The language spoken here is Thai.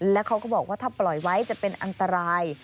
แล้วเขาก็บอกว่าถ้าปล่อยไว้จะเป็นอันตราย